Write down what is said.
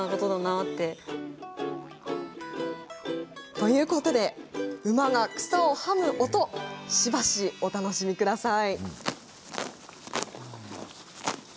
というわけで、馬が草をはむ音しばし、お楽しみください。